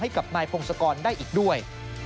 ให้กับนายพงศกรได้อีกด้วย